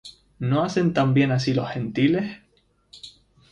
¿no hacen también así los Gentiles?